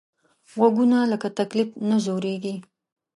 غوږونه له تکلیف نه ځورېږي